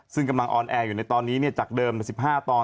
ซึ่งกำลังออนแอร์อยู่ในตอนนี้จากเดิม๑๕ตอน